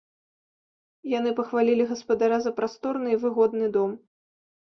Яны пахвалілі гаспадара за прасторны і выгодны дом.